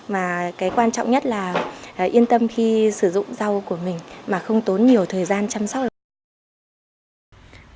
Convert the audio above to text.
mà cái quan trọng nhất là yên tâm khi sử dụng rau của mình mà không tốn nhiều thời gian chăm sóc lại